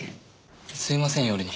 すいません夜に。